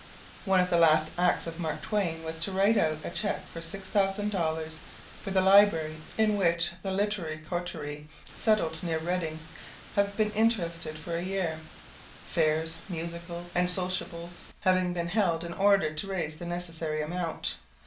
One of the last acts of Mark Twain was to write out a check for $6,000 for the library in which the literary coterie settled near Redding have been interested for a year; fairs, musicales, and sociables having been held in order to raise the necessary amount.